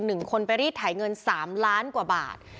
หนึ่งคนไปรีดไถเงินสามล้านกว่าบาท